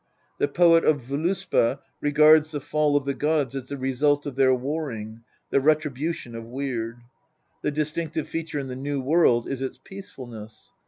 The poet of Voluspa regards the fall of the gods as the result of their warring, the retribution of Weird : the distinctive feature in the new wcrld is its peacefulness.